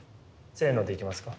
せのでいきますか。